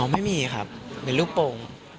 อ๋อไม่มีครับเป็นรูปโป่ง